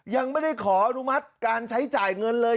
ยังไม่ได้ขออนุมัติการใช้จ่ายเงินเลย